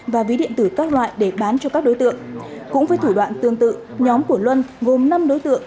và ví điện tử các loại để bán cho các đối tượng cũng với thủ đoạn tương tự nhóm của luân gồm năm đối tượng